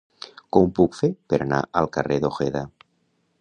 Com ho puc fer per anar al carrer d'Ojeda?